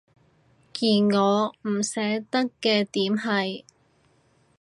而我唔捨得嘅點係